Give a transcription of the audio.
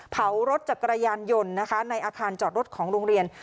เผารถจักรยานยนต์นะคะในอาคารจอดรถของโรงเรียน